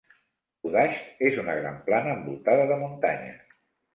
Kuhdasht és una gran plana envoltada de muntanyes.